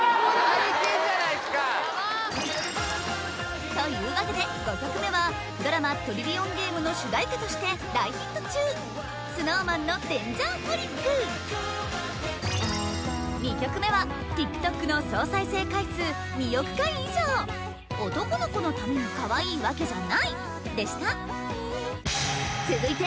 最近じゃないっすかというわけで５曲目はドラマ「トリリオンゲーム」の主題歌として大ヒット中ＳｎｏｗＭａｎの「Ｄａｎｇｅｒｈｏｌｉｃ」２曲目はＴｉｋＴｏｋの総再生回数２億回以上「男の子のために可愛いわけじゃない！」でした